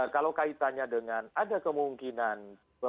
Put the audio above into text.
kalau kaitannya dengan ada kemungkinan